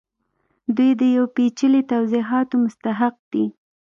دوی د یو پیچلي توضیحاتو مستحق دي